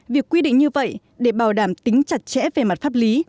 việc quy định như vậy để bảo đảm tính chặt chẽ về mặt pháp lý